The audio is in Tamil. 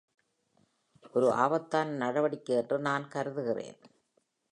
ஒரு ஆபத்தான நடவடிக்கை என்று நான் கருதுகிறேன்.